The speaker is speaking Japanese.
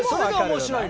面白い。